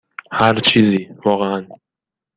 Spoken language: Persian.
هر چیزی، واقعا.